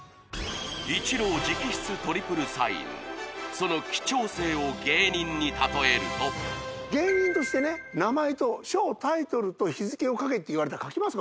その貴重性を芸人に例えると芸人としてね名前と賞タイトルと日付を書けって言われたら書きますか？